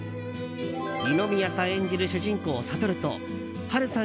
二宮さん演じる主人公・悟と波瑠さん